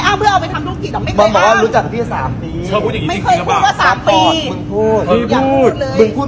แต่เพื่อเอาเงินไปทำรุกกิจ